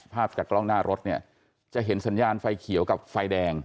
ภาพจากกล้องหน้ารถเนี่ยจะเห็นสัญญาณไฟเขียวกับไฟแดง